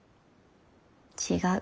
違う。